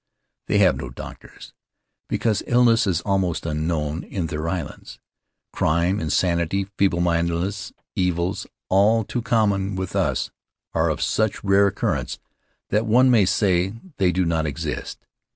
They have no doctors, because illness is almost un known in their islands. Crime, insanity, feeble mindedness, evils all too common with us, are of such rare occurrence that one may say they do not exist.